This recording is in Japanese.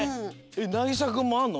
なぎさくんもあんの？